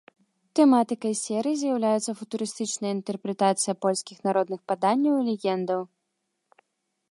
Тэматыка серый з'яўляецца футурыстычная інтэрпрэтацыя польскіх народных паданняў і легендаў.